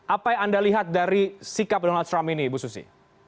apa yang anda lihat dari sikap donald trump ini ibu susi